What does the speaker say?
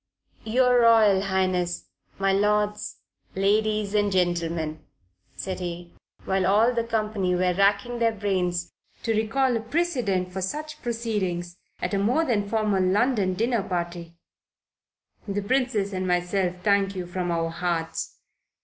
"Your Royal Highness, my lords, ladies and gentlemen," said he, while all the company were racking their brains to recall a precedent for such proceedings at a more than formal London dinner party; "the Princess and myself thank you from our hearts.